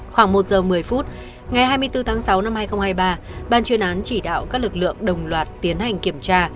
khoảng một giờ một mươi phút ngày hai mươi bốn tháng sáu năm hai nghìn hai mươi ba ban chuyên án chỉ đạo các lực lượng đồng loạt tiến hành kiểm tra